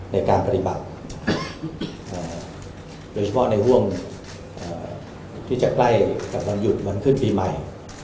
ในการปฏิบัติโดยเฉพาะในห่วงที่จะใกล้กับวันหยุดวันขึ้นปีใหม่